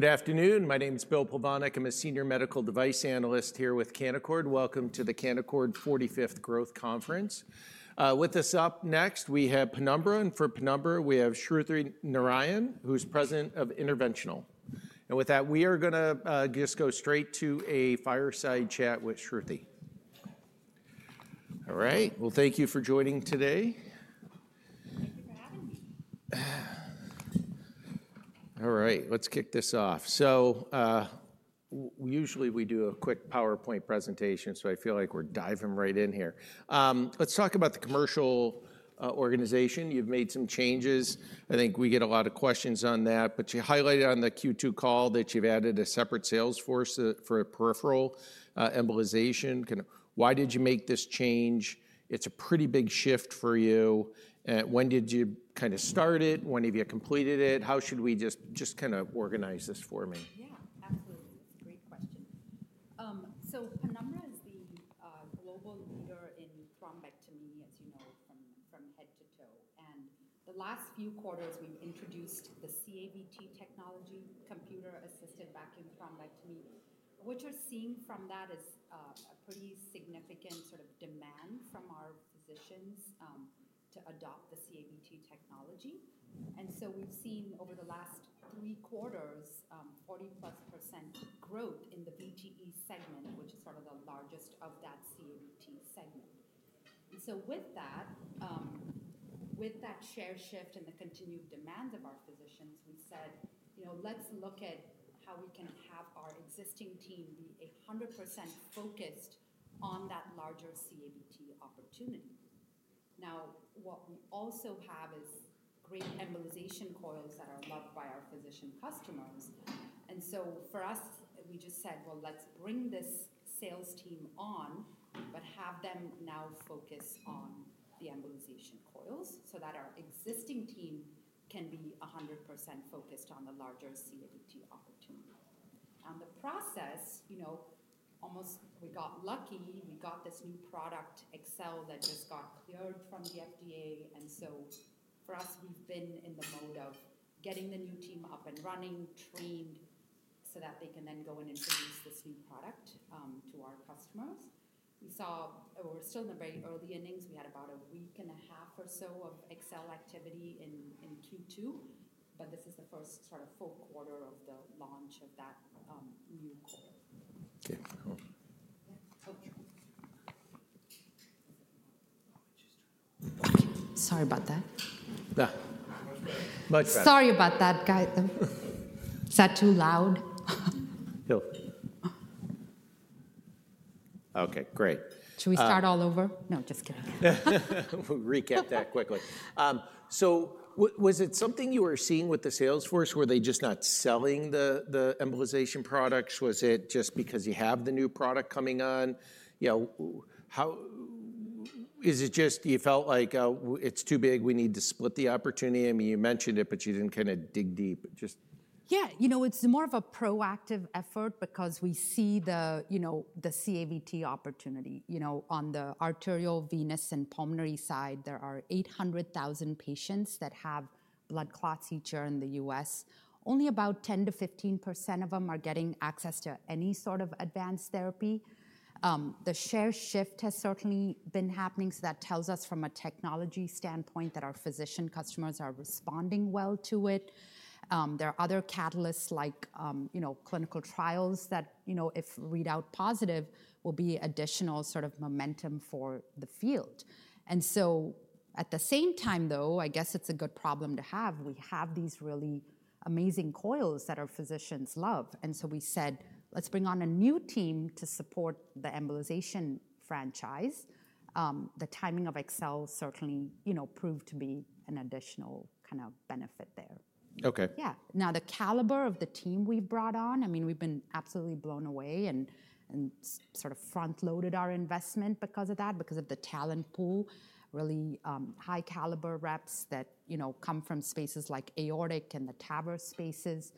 Good afternoon. My name is Bill Plovanic. I'm a Senior Medical Device Analyst here with Canaccord. Welcome to the Canaccord 45th Growth Conference. With us up next, we have Penumbra, and for Penumbra, we have Shruthi Narayan, who's President of Interventional. With that, we are going to go straight to a fireside chat with Shruthi. Thank you for joining today. Let's kick this off. Usually we do a quick PowerPoint presentation, so I feel like we're diving right in here. Let's talk about the commercial organization. You've made some changes. I think we get a lot of questions on that, but you highlighted on the Q2 call that you've added a separate sales force for peripheral embolization. Why did you make this change? It's a pretty big shift for you. When did you start it? When have you completed it? How should we just organize this for me? Yeah, absolutely. It's a great question. Penumbra is the global leader in thrombectomy, as you know, from head to toe. The last few quarters, we've introduced the CAVT technology, Computer Assisted Vacuum Thrombectomy. What you're seeing from that is a pretty significant sort of demand from our physicians to adopt the CAVT technology. We've seen over the last three quarters, 40%+ growth in the VTE segment, which is sort of the largest of that CAVT segment. With that share shift and the continued demands of our physicians, we said, you know, let's look at how we can have our existing team be 100% focused on that larger CAVT opportunity. What we also have is great embolization coils that are loved by our physician customers. For us, we just said, let's bring this sales team on, but have them now focus on the embolization coils so that our existing team can be 100% focused on the larger CAVT opportunity. In the process, almost we got lucky. We got this new product, Excel, that just got cleared from the FDA. For us, we've been in the mode of getting the new team up and running, trained so that they can then go in and introduce this new product to our customers. We're still in the very early innings. We had about a week and a half or so of Excel activity in Q2. This is the first sort of full quarter of the launch of that new. Okay. Sorry about that. Yeah. Sorry about that, guys. Is that too loud? Okay, great. Should we start all over? No, just kidding. Recap that quickly. Was it something you were seeing with the sales force? Were they just not selling the embolization products? Was it just because you have the new product coming on? How is it, just you felt like it's too big? We need to split the opportunity. You mentioned it, but you didn't kind of dig deep. Just. Yeah, you know, it's more of a proactive effort because we see the, you know, the CAVT opportunity, you know, on the arterial, venous, and pulmonary side. There are 800,000 patients that have blood clots each year in the U.S. Only about 10%-15% of them are getting access to any sort of advanced therapy. The share shift has certainly been happening. That tells us from a technology standpoint that our physician customers are responding well to it. There are other catalysts like, you know, clinical trials that, you know, if readout positive, will be additional sort of momentum for the field. At the same time, though, I guess it's a good problem to have. We have these really amazing coils that our physicians love. We said, let's bring on a new team to support the embolization franchise. The timing of Excel certainly, you know, proved to be an additional kind of benefit there. Okay. Yeah. Now the caliber of the team we've brought on, I mean, we've been absolutely blown away and sort of front-loaded our investment because of that, because of the talent pool, really high caliber reps that, you know, come from spaces like aortic and the TAVR spaces,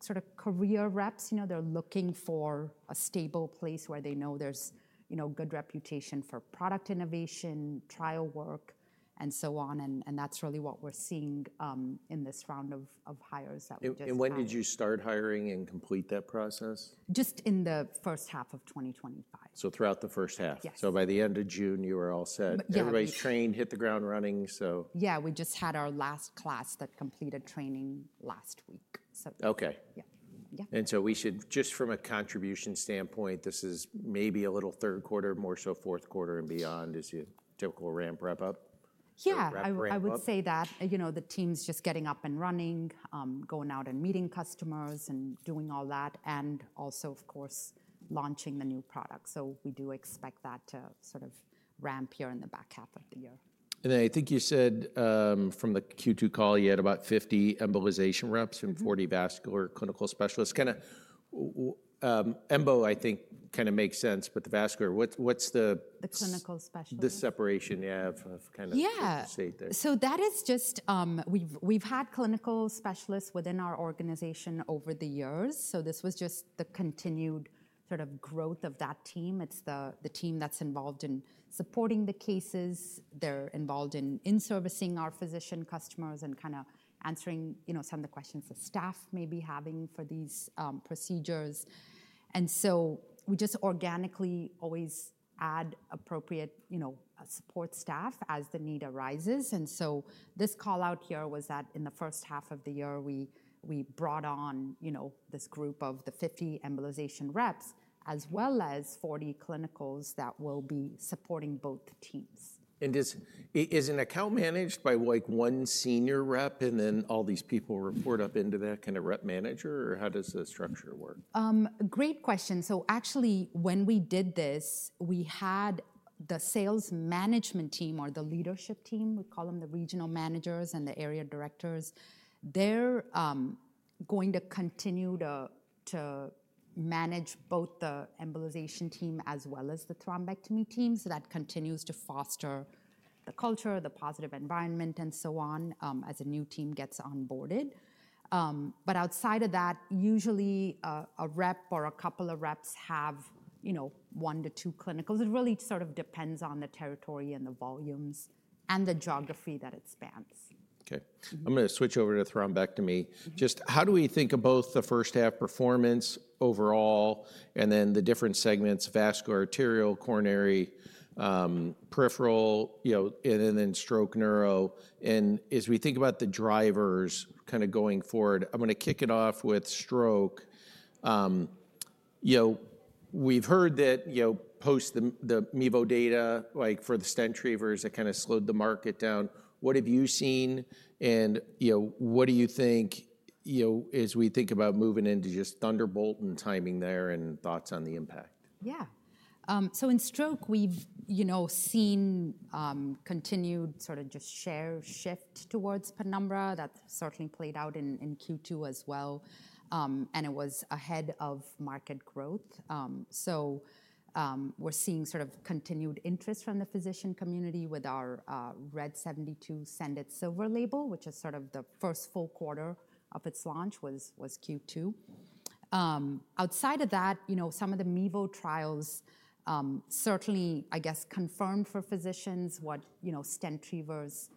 sort of career reps, you know, they're looking for a stable place where they know there's, you know, good reputation for product innovation, trial work, and so on. That's really what we're seeing in this round of hires that we just. When did you start hiring and complete that process? Just in the first half of 2025. Throughout the first half. Yes. By the end of June, you were all set. Yes. Everybody's trained, hit the ground running. Yeah, we just had our last class that completed training last week. Okay. Yeah. We should, just from a contribution standpoint, this is maybe a little third quarter, more so fourth quarter and beyond as you typical ramp wrap up. I would say that the team's just getting up and running, going out and meeting customers and doing all that. Also, of course, launching the new product. We do expect that to sort of ramp here in the back half of the year. I think you said, from the Q2 call, you had about 50 embolization reps and 40 vascular clinical specialists. Embo, I think kind of makes sense, but the vascular, what's the. The clinical specialist. The separation, yeah, of kind of stayed there. Yeah. That is just, we've had clinical specialists within our organization over the years. This was just the continued sort of growth of that team. It's the team that's involved in supporting the cases. They're involved in in-servicing our physician customers and kind of answering, you know, some of the questions the staff may be having for these procedures. We just organically always add appropriate, you know, support staff as the need arises. This call out here was that in the first half of the year, we brought on, you know, this group of the 50 embolization reps as well as 40 clinicals that will be supporting both the teams. Is an account managed by like one senior rep and then all these people report up into that kind of rep manager, or how does the structure work? Great question. Actually, when we did this, we had the sales management team or the leadership team—we call them the Regional Managers and the Area Directors—continue to manage both the embolization team as well as the thrombectomy team. That continues to foster the culture, the positive environment, and so on, as a new team gets onboarded. Outside of that, usually a rep or a couple of reps have, you know, one to two clinicals. It really sort of depends on the territory and the volumes and the geography that it spans. Okay. I'm going to switch over to thrombectomy. Just how do we think of both the first half performance overall and then the different segments, vascular, arterial, coronary, peripheral, you know, and then stroke neuro? As we think about the drivers kind of going forward, I'm going to kick it off with stroke. We've heard that, you know, post the Mevo data, like for the stent retrievers that kind of slowed the market down. What have you seen and what do you think, you know, as we think about moving into just Thunderbolt and timing there and thoughts on the impact? Yeah, so in stroke, we've seen continued sort of just share shift towards Penumbra. That certainly played out in Q2 as well, and it was ahead of market growth. We're seeing sort of continued interest from the physician community with our RED 72 Silver Label, which is sort of the first full quarter of its launch was Q2. Outside of that, some of the MeVO trials certainly, I guess, confirmed for physicians what stent retrievers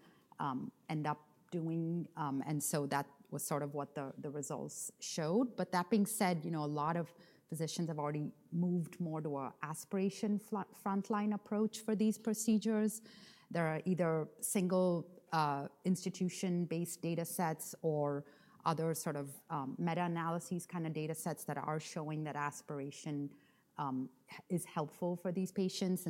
end up doing, and that was sort of what the results showed. That being said, a lot of physicians have already moved more to an aspiration frontline approach for these procedures. There are either single institution-based data sets or other sort of meta-analyses kind of data sets that are showing that aspiration is helpful for these patients.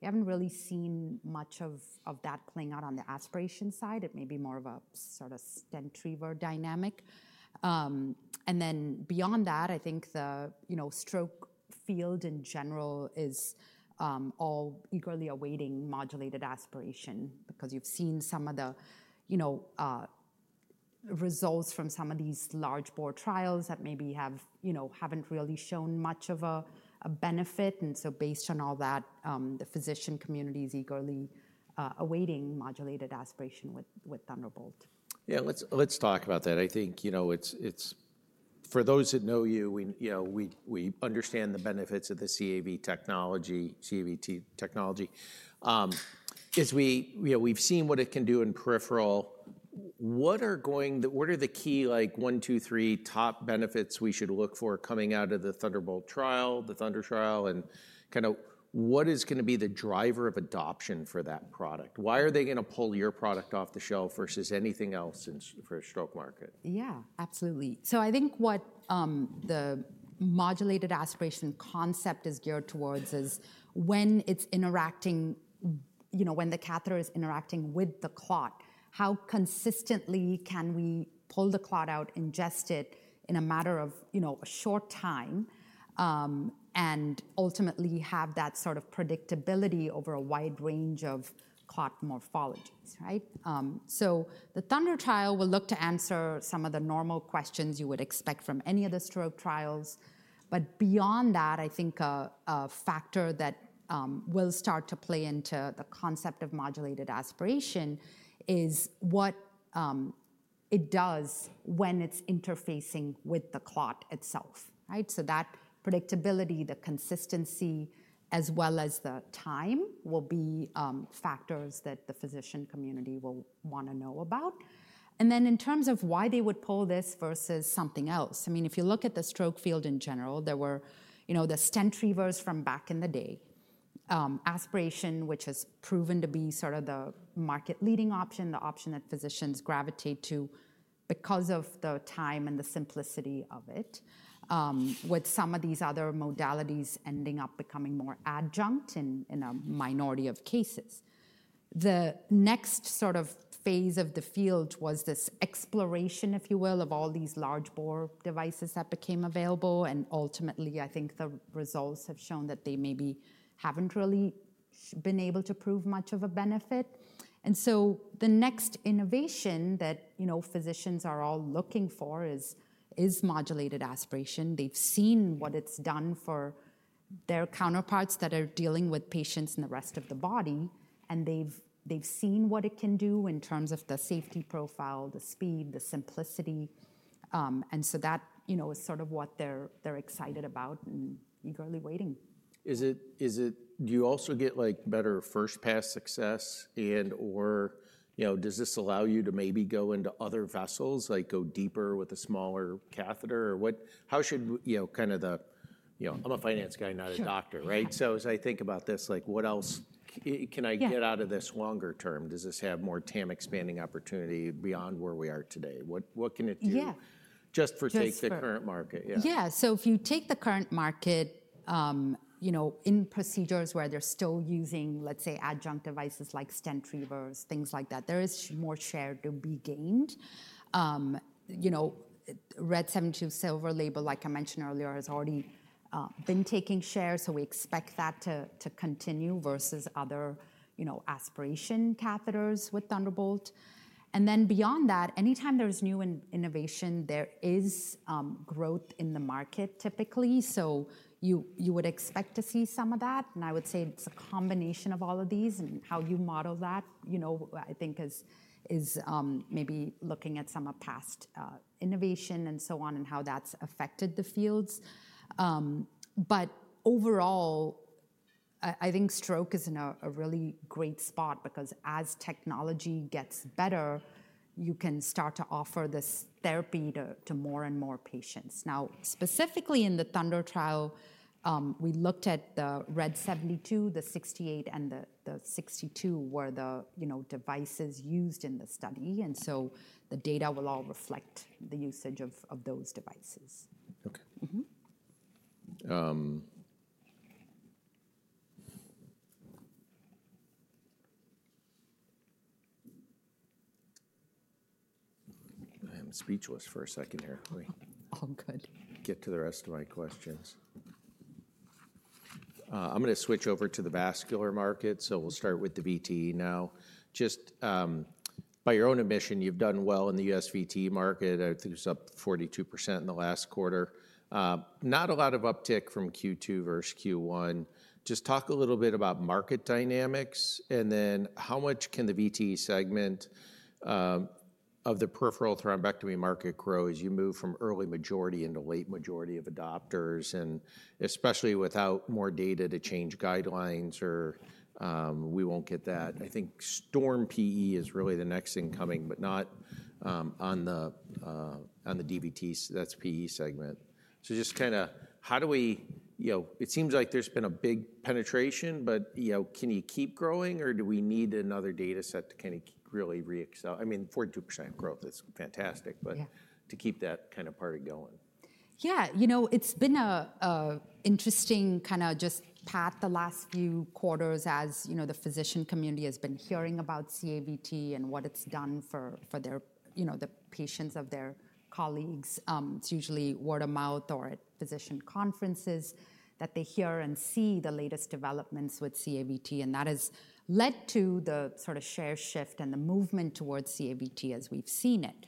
We haven't really seen much of that playing out on the aspiration side. It may be more of a stent retriever dynamic. Beyond that, I think the stroke field in general is all eagerly awaiting modulated aspiration because you've seen some of the results from some of these large bore trials that maybe haven't really shown much of a benefit. Based on all that, the physician community is eagerly awaiting modulated aspiration with Thunderbolt. Yeah, let's talk about that. I think, you know, for those that know you, we understand the benefits of the CAVT technology. As we, you know, we've seen what it can do in peripheral, what are the key, like one, two, three top benefits we should look for coming out of the Thunderbolt trial, the Thunder trial, and kind of what is going to be the driver of adoption for that product? Why are they going to pull your product off the shelf versus anything else for a stroke market? Yeah, absolutely. I think what the modulated aspiration concept is geared towards is when it's interacting, you know, when the catheter is interacting with the clot, how consistently can we pull the clot out, ingest it in a matter of, you know, a short time, and ultimately have that sort of predictability over a wide range of clot morphologies, right? The Thunder trial will look to answer some of the normal questions you would expect from any of the stroke trials. Beyond that, I think a factor that will start to play into the concept of modulated aspiration is what it does when it's interfacing with the clot itself, right? That predictability, the consistency, as well as the time will be factors that the physician community will want to know about. In terms of why they would pull this versus something else, if you look at the stroke field in general, there were the stent retrievers from back in the day, aspiration, which has proven to be sort of the market leading option, the option that physicians gravitate to because of the time and the simplicity of it, with some of these other modalities ending up becoming more adjunct in a minority of cases. The next sort of phase of the field was this exploration, if you will, of all these large bore devices that became available. Ultimately, I think the results have shown that they maybe haven't really been able to prove much of a benefit. The next innovation that physicians are all looking for is modulated aspiration. They've seen what it's done for their counterparts that are dealing with patients in the rest of the body. They've seen what it can do in terms of the safety profile, the speed, the simplicity, and that is sort of what they're excited about and eagerly waiting. Is it, do you also get like better first pass success and or, you know, does this allow you to maybe go into other vessels, like go deeper with a smaller catheter or what? How should, you know, kind of the, you know, I'm a finance guy, not a doctor, right? As I think about this, what else can I get out of this longer term? Does this have more TAM expanding opportunity beyond where we are today? What can it do? Yeah. Just for the current market. Yeah. If you take the current market, in procedures where they're still using, let's say, adjunct devices like stent retrievers, things like that, there is more share to be gained. Red 72 Silver Label, like I mentioned earlier, has already been taking share. We expect that to continue versus other aspiration catheters with Thunderbolt. Anytime there's new innovation, there is growth in the market typically. You would expect to see some of that. I would say it's a combination of all of these and how you model that, I think, is maybe looking at some of the past innovation and so on and how that's affected the fields. Overall, I think stroke is in a really great spot because as technology gets better, you can start to offer this therapy to more and more patients. Now, specifically in the Thunder trial, we looked at the Red 72, the 68, and the 62 were the devices used in the study. The data will all reflect the usage of those devices. Okay, I am speechless for a second here. Wait. All good. Get to the rest of my questions. I'm going to switch over to the vascular market. We'll start with the VTE now. Just, by your own admission, you've done well in the U.S. VTE market. I think it was up 42% in the last quarter. Not a lot of uptick from Q2 versus Q1. Just talk a little bit about market dynamics and then how much can the VTE segment of the peripheral thrombectomy market grow as you move from early majority into late majority of adopters, especially without more data to change guidelines or, we won't get that. I think STORM-PE is really the next incoming, but not on the DVTs, that's PE segment. Just kind of how do we, you know, it seems like there's been a big penetration, but can you keep growing or do we need another data set to kind of really re-excel? I mean, 42% growth is fantastic, but to keep that kind of party going. Yeah, you know, it's been an interesting kind of just path the last few quarters as, you know, the physician community has been hearing about CAVT and what it's done for their, you know, the patients of their colleagues. It's usually word of mouth or at physician conferences that they hear and see the latest developments with CAVT, and that has led to the sort of share shift and the movement towards CAVT as we've seen it.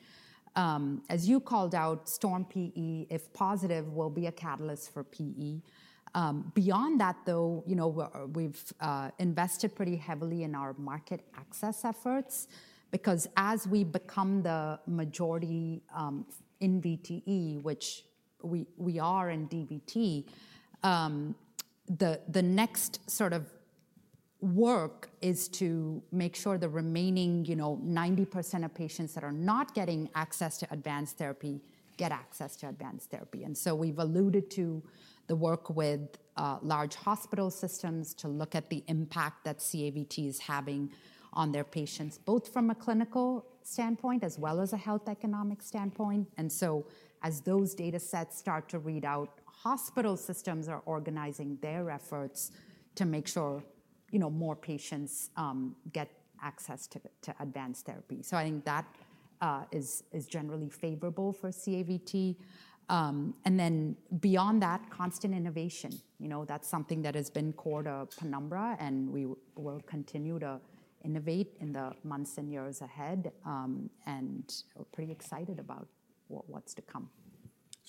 As you called out, STORM-PE, if positive, will be a catalyst for PE. Beyond that though, you know, we've invested pretty heavily in our market access efforts because as we become the majority in VTE, which we are in DVT, the next sort of work is to make sure the remaining, you know, 90% of patients that are not getting access to advanced therapy get access to advanced therapy. We have alluded to the work with large hospital systems to look at the impact that CAVT is having on their patients, both from a clinical standpoint as well as a health economic standpoint. As those data sets start to read out, hospital systems are organizing their efforts to make sure, you know, more patients get access to advanced therapy. I think that is generally favorable for CAVT. Then beyond that, constant innovation, you know, that's something that has been core to Penumbra, and we will continue to innovate in the months and years ahead. We're pretty excited about what's to come.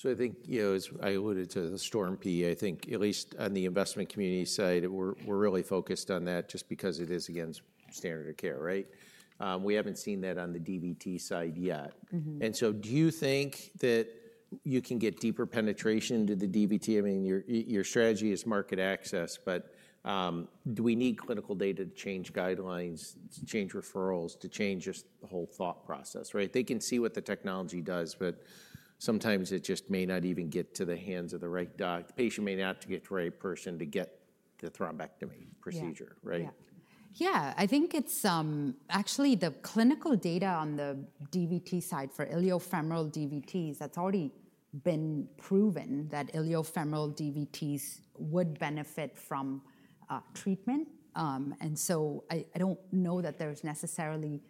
I think, as I alluded to the STORM-PE, at least on the investment community side, we're really focused on that just because it is against standard of care, right? We haven't seen that on the DVT side yet. Do you think that you can get deeper penetration into the DVT? I mean, your strategy is market access, but do we need clinical data to change guidelines, to change referrals, to change just the whole thought process, right? They can see what the technology does, but sometimes it just may not even get to the hands of the right doc. The patient may not have to get to the right person to get the thrombectomy procedure, right? Yeah, I think it's actually the clinical data on the DVT side for iliofemoral DVTs, that's already been proven that iliofemoral DVTs would benefit from treatment. I don't know that there's necessarily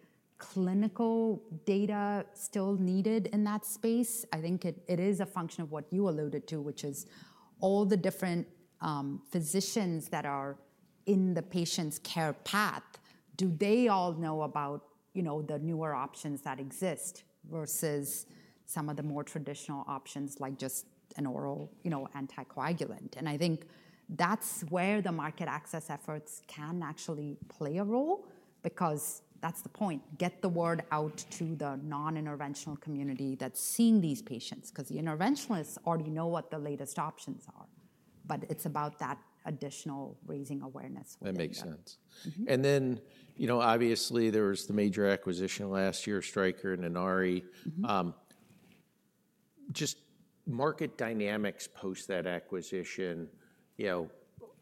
clinical data still needed in that space. I think it is a function of what you alluded to, which is all the different physicians that are in the patient's care path. Do they all know about the newer options that exist versus some of the more traditional options like just an oral anticoagulant? I think that's where the market access efforts can actually play a role because that's the point. Get the word out to the non-interventional community that's seeing these patients because the interventionalists already know what the latest options are. It's about that additional raising awareness. That makes sense. Obviously, there was the major acquisition last year, Stryker and Inari. Just market dynamics post that acquisition.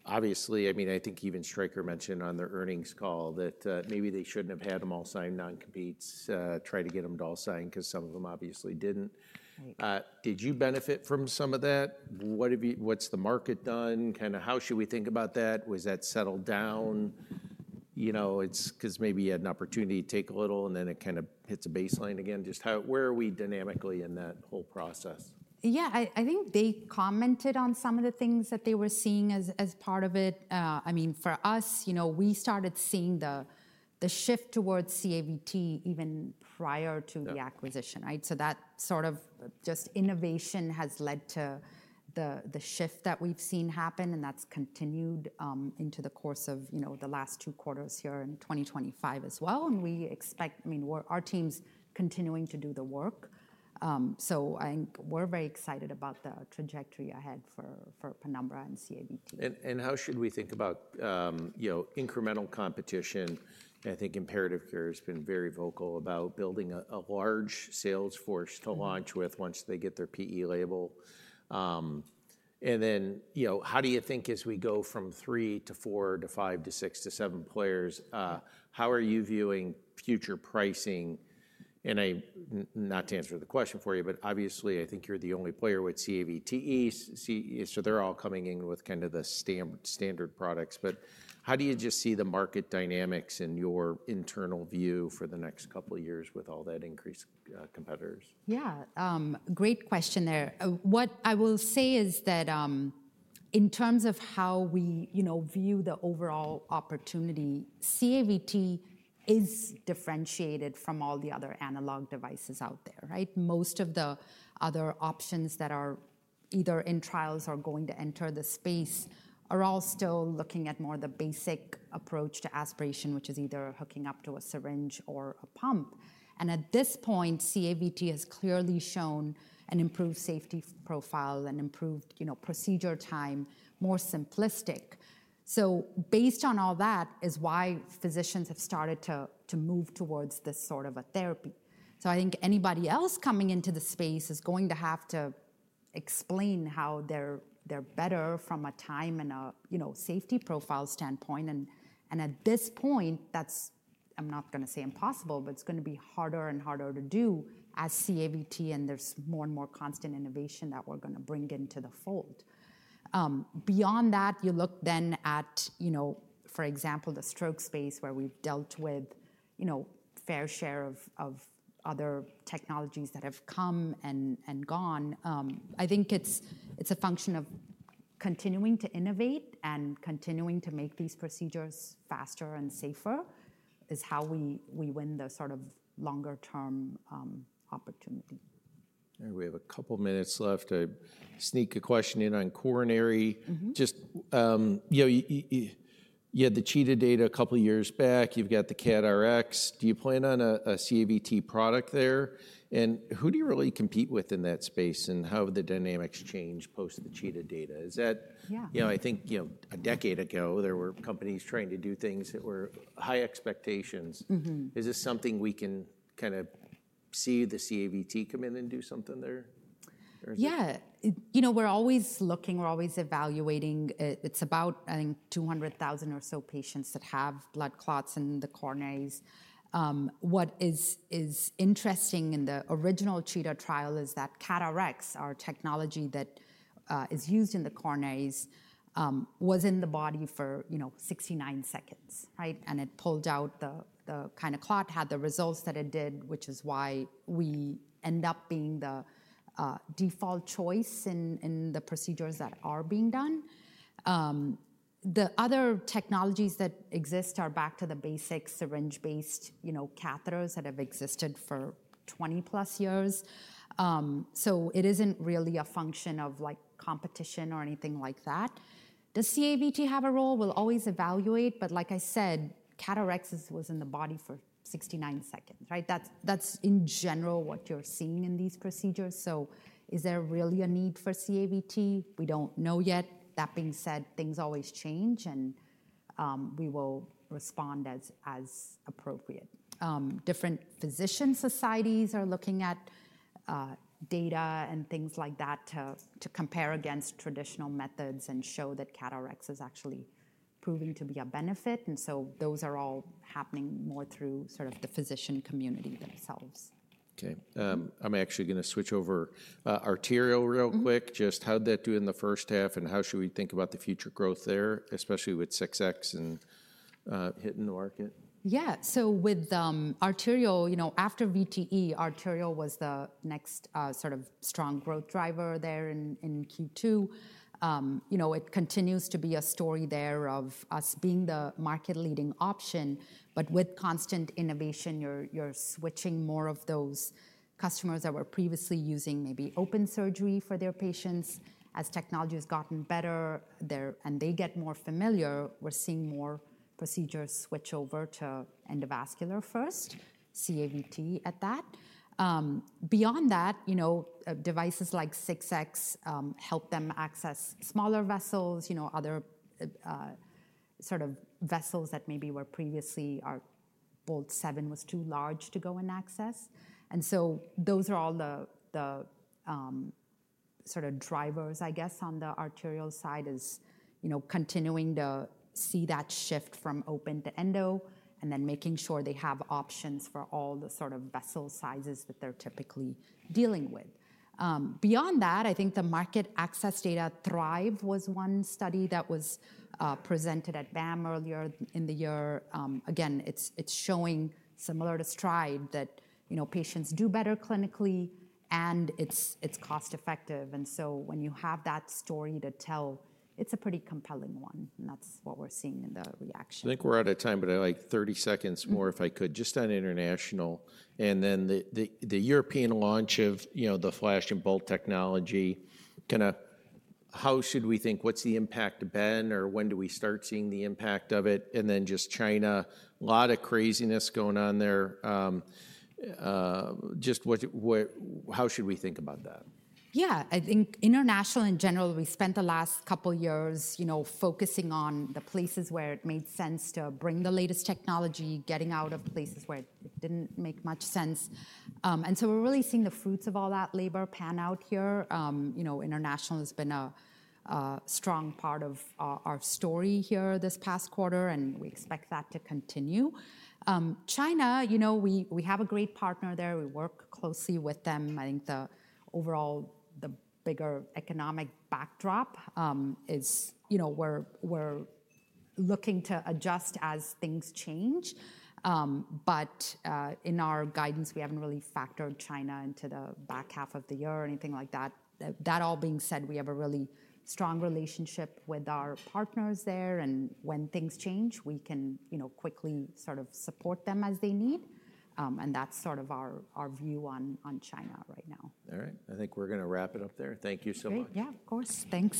Obviously, I mean, I think even Stryker mentioned on their earnings call that maybe they shouldn't have had them all sign non-competes, try to get them to all sign because some of them obviously didn't. Did you benefit from some of that? What have you, what's the market done? Kind of how should we think about that? Was that settled down? It's because maybe you had an opportunity to take a little and then it kind of hits a baseline again. Just how, where are we dynamically in that whole process? Yeah, I think they commented on some of the things that they were seeing as part of it. I mean, for us, you know, we started seeing the shift towards CAVT even prior to the acquisition, right? That sort of innovation has led to the shift that we've seen happen, and that's continued into the course of the last two quarters here in 2025 as well. We expect, I mean, our team's continuing to do the work. I think we're very excited about the trajectory ahead for Penumbra and CAVT. How should we think about, you know, incremental competition? I think Imperative Care has been very vocal about building a large sales force to launch with once they get their PE label. You know, how do you think as we go from three to four to five to six to seven players, how are you viewing future pricing? I, not to answer the question for you, but obviously I think you're the only player with CAVT. They're all coming in with kind of the standard products. How do you just see the market dynamics and your internal view for the next couple of years with all that increase, competitors? Yeah, great question there. What I will say is that, in terms of how we, you know, view the overall opportunity, CAVT is differentiated from all the other analog devices out there, right? Most of the other options that are either in trials or going to enter the space are all still looking at more of the basic approach to aspiration, which is either hooking up to a syringe or a pump. At this point, CAVT has clearly shown an improved safety profile and improved, you know, procedure time, more simplistic. Based on all that is why physicians have started to move towards this sort of a therapy. I think anybody else coming into the space is going to have to explain how they're better from a time and a, you know, safety profile standpoint. At this point, that's, I'm not going to say impossible, but it's going to be harder and harder to do as CAVT and there's more and more constant innovation that we're going to bring into the fold. Beyond that, you look then at, you know, for example, the stroke space where we've dealt with, you know, fair share of other technologies that have come and gone. I think it's a function of continuing to innovate and continuing to make these procedures faster and safer is how we win the sort of longer term opportunity. All right, we have a couple minutes left. I sneak a question in on coronary. You had the CHEETAH data a couple of years back. You've got the CAT RX. Do you plan on a CAVT product there? Who do you really compete with in that space, and how have the dynamics changed post the CHEETAH data? I think a decade ago there were companies trying to do things that were high expectations. Is this something we can kind of see the CAVT come in and do something there? Yeah, you know, we're always looking, we're always evaluating. It's about, I think, 200,000 or so patients that have blood clots in the coronaries. What is interesting in the original CHEETAH trial is that CAT RX, our technology that is used in the coronaries, was in the body for, you know, 69 seconds, right? It pulled out the kind of clot, had the results that it did, which is why we end up being the default choice in the procedures that are being done. The other technologies that exist are back to the basic syringe-based catheters that have existed for 20+ years. It isn't really a function of competition or anything like that. Does CAVT have a role? We'll always evaluate, but like I said, CAT RX was in the body for 69 seconds, right? That's in general what you're seeing in these procedures. Is there really a need for CAVT? We don't know yet. That being said, things always change and we will respond as appropriate. Different physician societies are looking at data and things like that to compare against traditional methods and show that CAT RX is actually proving to be a benefit. Those are all happening more through sort of the physician community themselves. Okay. I'm actually going to switch over, arterial real quick. Just how did that do in the first half, and how should we think about the future growth there, especially with 6X and hitting the market? Yeah, so with arterial, after VTE, arterial was the next sort of strong growth driver there in Q2. It continues to be a story there of us being the market leading option, but with constant innovation, you're switching more of those customers that were previously using maybe open surgery for their patients. As technology has gotten better, and they get more familiar, we're seeing more procedures switch over to endovascular first, CAVT at that. Beyond that, devices like 6X help them access smaller vessels, other sort of vessels that maybe were previously our Bolt 7 was too large to go and access. Those are all the sort of drivers, I guess, on the arterial side, continuing to see that shift from open to endo and then making sure they have options for all the sort of vessel sizes that they're typically dealing with. Beyond that, I think the market access data THRIVE was one study that was presented at BAM earlier in the year. Again, it's showing similar to STRIDE that patients do better clinically and it's cost effective. When you have that story to tell, it's a pretty compelling one. That's what we're seeing in the reaction. I think we're out of time, but I'd like 30 seconds more if I could just on international and then the European launch of, you know, the Flash and Bolt technology. Kind of how should we think? What's the impact been or when do we start seeing the impact of it? Then just China, a lot of craziness going on there. Just what, what, how should we think about that? Yeah, I think international in general, we spent the last couple of years focusing on the places where it made sense to bring the latest technology, getting out of places where it didn't make much sense. We're really seeing the fruits of all that labor pan out here. International has been a strong part of our story this past quarter, and we expect that to continue. China, we have a great partner there. We work closely with them. I think the overall, the bigger economic backdrop is, we're looking to adjust as things change. In our guidance, we haven't really factored China into the back half of the year or anything like that. That all being said, we have a really strong relationship with our partners there, and when things change, we can quickly sort of support them as they need. That's sort of our view on China right now. All right. I think we're going to wrap it up there. Thank you so much. Yeah, of course. Thanks.